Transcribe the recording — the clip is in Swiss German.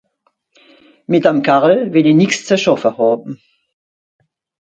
Mìt dem Kerl wìll ìch nìx ze schàffe hàn.